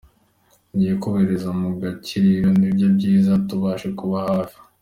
Tugiye kubahuriza mu gakiriro ni byo byiza tubashe kubaba hafi.